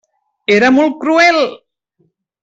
Era molt cruel!